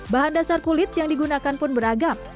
bahan dasar kulit yang digunakan pun beragam